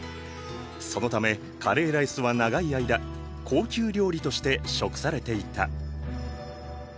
そのためカレーライスは長い間高級料理として食されていた。